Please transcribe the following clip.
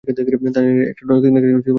তয়, জানি না এটা একক, নাকি দ্বৈত বিয়ে হবে।